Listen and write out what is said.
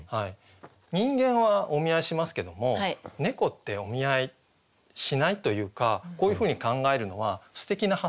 人間はお見合いしますけども猫ってお見合いしないというかこういうふうに考えるのはすてきな発想ですよね。